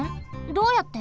どうやって？